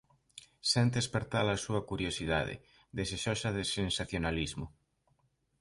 Sente esperta-la súa curiosidade, desexosa de sensacionalismo.